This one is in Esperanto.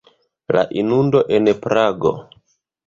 La inundo en Prago.